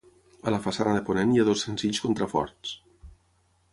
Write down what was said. A la façana de ponent hi ha dos senzills contraforts.